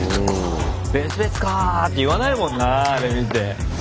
「別々かー」って言わないもんなあれ見て。